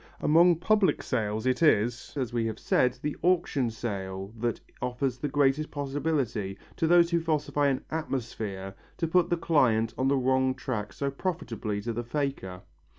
Among public sales it is, as we have said, the auction sale that offers the greatest possibilities to those who falsify an "atmosphere" to put the client on the wrong track so profitable to the faker.